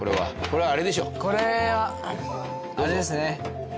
これはあれですね。